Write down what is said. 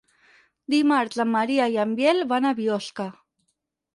Dimarts en Maria i en Biel van a Biosca.